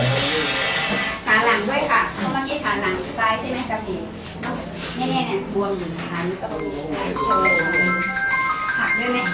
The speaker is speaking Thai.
เนี่ยเนี่ยเนี่ยบวนเหมือนกัน